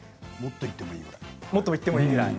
もっといってもいいぐらい。